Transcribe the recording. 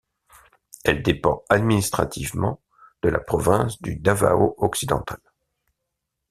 Elle dépend administrativement de la province du Davao occidental.